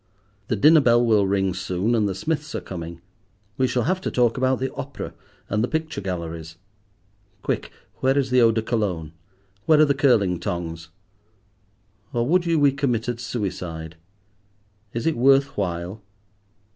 The dinner bell will ring soon, and the Smiths are coming. We shall have to talk about the opera and the picture galleries. Quick, where is the eau de Cologne? where are the curling tongs? Or would you we committed suicide? Is it worth while?